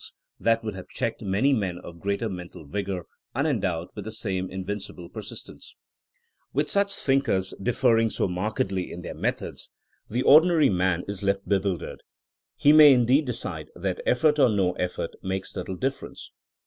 88 THINEINa AS A SCIENOE that would have checked many men of greater mental vigor unendowed with the game invin cible persistence/' With such thinkers differing so markedly in their methods, the ordinary man is left bewil dered. He may indeed decide that effort or no effort makes little difference.